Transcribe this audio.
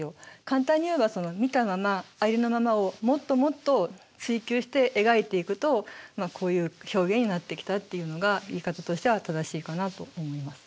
簡単に言えば見たままありのままをもっともっと追求して描いていくとこういう表現になってきたっていうのが言い方としては正しいかなと思います。